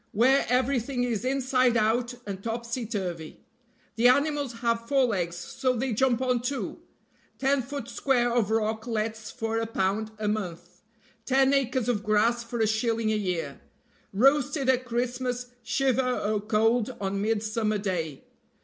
where everything is inside out and topsy turvy. The animals have four legs, so they jump on two. Ten foot square of rock lets for a pound a month; ten acres of grass for a shilling a year. Roasted at Christmas, shiver o' cold on midsummer day.